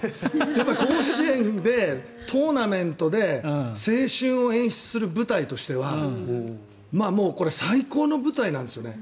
やっぱり甲子園でトーナメントで青春を演出する舞台としてはこれ、最高の舞台なんですよね。